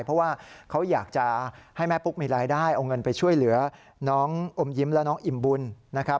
เพราะว่าเขาอยากจะให้แม่ปุ๊กมีรายได้เอาเงินไปช่วยเหลือน้องอมยิ้มและน้องอิ่มบุญนะครับ